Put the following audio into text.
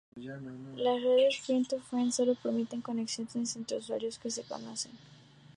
Las redes friend-to-friend solo permiten conexiones entre usuarios que se conocen.